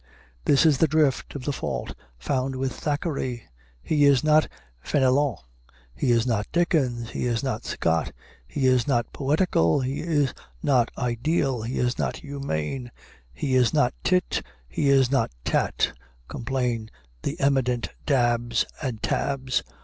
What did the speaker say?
This is the drift of the fault found with Thackeray. He is not Fénelon, he is not Dickens, he is not Scott; he is not poetical, he is not ideal, he is not humane; he is not Tit, he is not Tat, complain the eminent Dabs and Tabs.